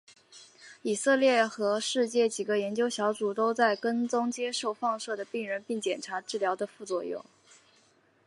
以色列和世界几个研究小组都在跟踪接受放射的病人并检查治疗的副作用。